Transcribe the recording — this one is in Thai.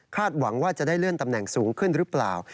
หวังว่าจะได้เลื่อนตำแหน่งสูงขึ้นหรือเปล่า